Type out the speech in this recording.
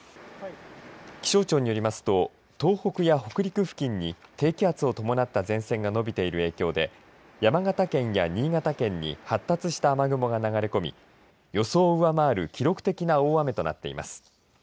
気象庁によりますと東北や北陸付近に低気圧を伴った前線が伸びている影響で山形県や新潟県に発達した雨雲が流れ込み予想を上回る記録的な大雨となっています。